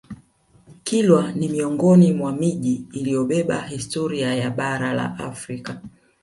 Kilwa ni miongoni mwa miji iliyobeba historia ya Bara la Afrika